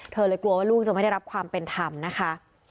เลยกลัวว่าลูกจะไม่ได้รับความเป็นธรรมนะคะ